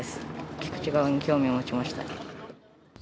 菊池川に興味を持ちました。